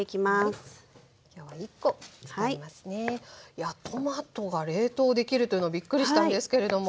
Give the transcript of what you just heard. いやトマトが冷凍できるっていうのびっくりしたんですけれども。